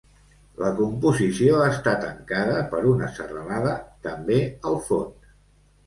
La composició està tancada per una serralada també al fons.